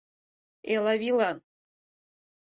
— Элавийлан.